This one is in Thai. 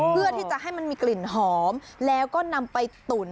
เพื่อที่จะให้มันมีกลิ่นหอมแล้วก็นำไปตุ๋น